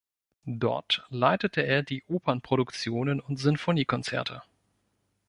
Dort leitete er die Opernproduktionen und Sinfoniekonzerte.